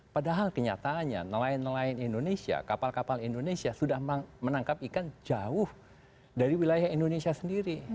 padahal kenyataannya nelayan nelayan indonesia kapal kapal indonesia sudah menangkap ikan jauh dari wilayah indonesia sendiri